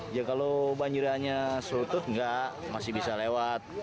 ya kalau banjirannya surut enggak masih bisa lewat